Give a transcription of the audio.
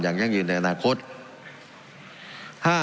อย่างยังอยู่ในอนาคต